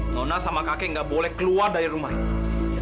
nona sama kakek gak boleh keluar dari rumah ini